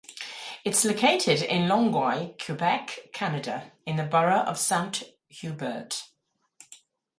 It is located in Longueuil, Quebec, Canada, in the borough of Saint-Hubert.